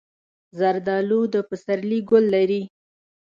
زردالو د پسرلي ګل لري.